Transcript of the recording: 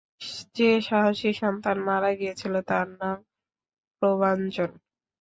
যে সাহসী সন্তান মারা গিয়েছিল তার নাম প্রভাঞ্জন।